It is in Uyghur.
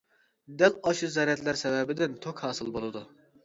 دەل ئاشۇ زەرەتلەر سەۋەبىدىن توك ھاسىل بولىدۇ.